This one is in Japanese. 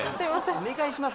お願いします